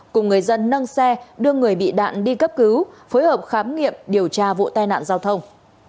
cùng người dân nâng xe đưa người bị đạn đi cấp cứu phối hợp khám nghiệm điều tra vụ tai nạn giao thông